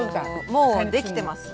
もうできてます。